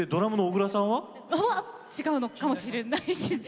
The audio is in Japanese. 違うのかもしれないですね。